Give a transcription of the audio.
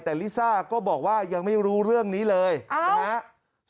แต่ลิซ่าก็บอกว่ายังไม่รู้เรื่องนี้เลยนะครับ